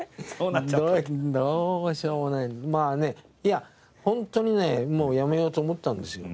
まあねいやホントにねもうやめようと思ったんですよ